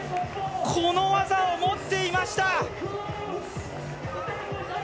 この技を持っていました！